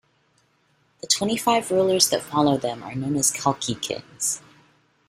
The twenty-five rulers that follow them are known as Kalki kings.